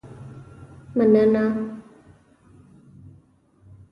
مننه